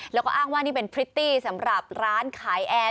แล้วก็อ้างว่านี่เป็นพริตตี้สำหรับร้านขายแอร์